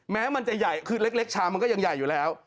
แม้มันจะใหญ่คือเล็กชามมันก็ยังใหญ่อยู่แล้ว